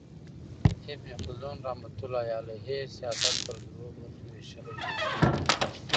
ابن خلدون رحمة الله علیه سیاست پر درو برخو ویشلی دئ.